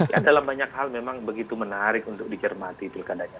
ya dalam banyak hal memang begitu menarik untuk dicermati pilkadanya